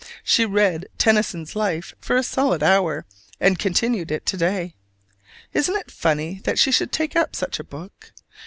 She read Tennyson's Life for a solid hour, and continued it to day. Isn't it funny that she should take up such a book?